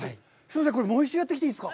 これ、もう一度、やってきていいですか？